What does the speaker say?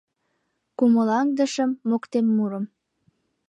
Кумылаҥдышым, моктемурым.